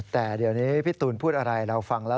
แต่เดี๋ยวนี้พี่ตูนพูดอะไรเราฟังแล้ว